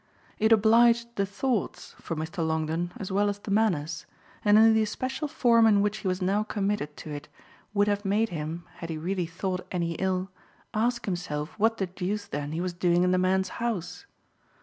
It obliged the thoughts, for Mr. Longdon, as well as the manners, and in the especial form in which he was now committed to it would have made him, had he really thought any ill, ask himself what the deuce then he was doing in the man's house.